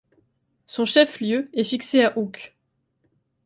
Son chef-lieu est fixé à Oucques.